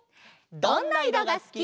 「どんな色がすき」。